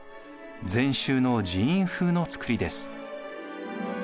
禅宗の寺院風の造りです。